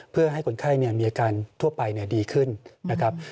เพื่อให้คนไข้มีอาการทั่วไปดีขึ้นนะครับ